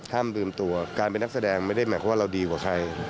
ลืมตัวการเป็นนักแสดงไม่ได้หมายความว่าเราดีกว่าใคร